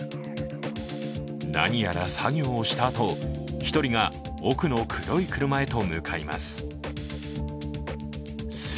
何やら作業をしたあと、１人が奥の黒い車へと向かいます。